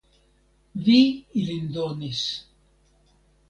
Vi ilin donis.